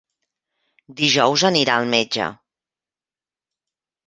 Dijous anirà al metge.